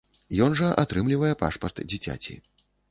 Ён жа атрымлівае пашпарт дзіцяці.